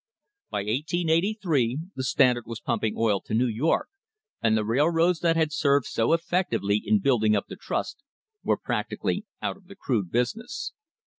By 1883 the Standard was pumping oil to New York, and the railroads that had served so effectively in building up the trust were practically out of the crude business.